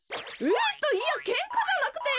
えっといやけんかじゃなくて。